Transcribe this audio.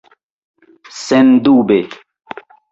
Sendube!